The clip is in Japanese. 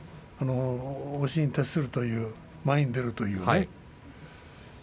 押しに徹するという前に出るというね